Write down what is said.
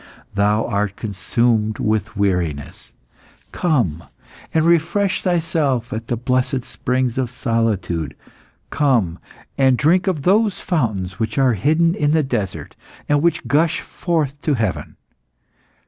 Thou art consumed with weariness; come, and refresh thyself at the blessed springs of solitude; come and drink of those fountains which are hidden in the desert, and which gush forth to heaven.